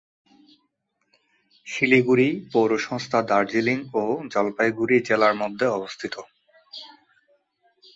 শিলিগুড়ি পৌরসংস্থা দার্জিলিং ও জলপাইগুড়ি জেলার মধ্যে অবস্থিত।